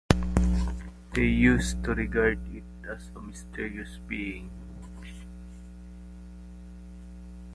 They used to regard it as a mysterious being.